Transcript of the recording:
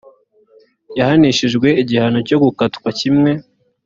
yarahanishijwe igihano cyo gukatwa kimwe